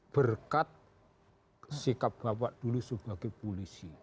berkat sikap bapak dulu sebagai polisi